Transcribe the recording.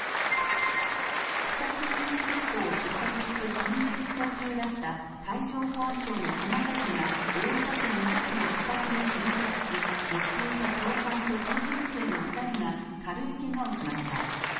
北九州空港を出発して訓練飛行中だった海上保安庁の小型機が大分県宇佐市の畑に不時着し乗っていた教官と訓練生の２人が軽いけがをしました。